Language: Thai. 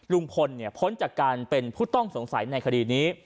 ลุงพลพ้นจากการเป็นผู้ต้องสงสัยในคดีนี้